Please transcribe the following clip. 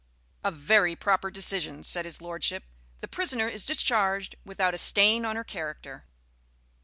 "A very proper decision," said his lordship. "The prisoner is discharged without a stain on her character."